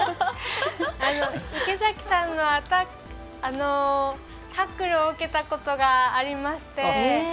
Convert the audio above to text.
池崎さんのタックルを受けたことがありまして。